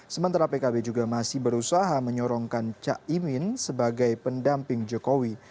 sementara pkb juga masih berusaha menyorongkan caimin sebagai pendamping jokowi